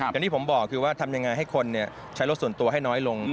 อย่างที่ผมบอกคือว่าทำยังไงให้คนใช้รถส่วนตัวให้น้อยลง